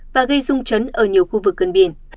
và gây rung chấn ở nhiều khu vực gần biển